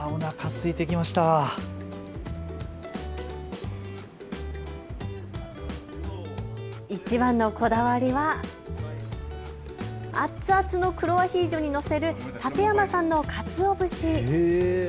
いちばんのこだわりは熱々の黒アヒージョに載せる館山産のかつお節。